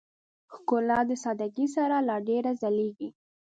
ښکلا د سادهګۍ سره لا ډېره ځلېږي.